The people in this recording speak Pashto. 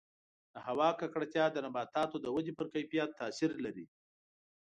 د هوا ککړتیا د نباتاتو د ودې پر کیفیت تاثیر لري.